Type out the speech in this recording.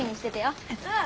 うん。